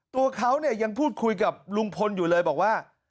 ตัวเขาเนี่ยยังพูดคุยกับลุงพลอยู่เลยบอกว่า